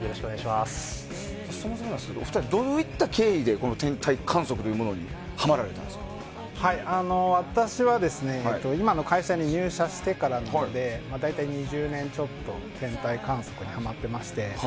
お二人はどういった経緯で天体観測というものに私は、今の会社に入社してからなので大体２０年ちょっと天体観測にハマっていまして。